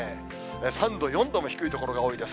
３度、４度も低い所が多いです。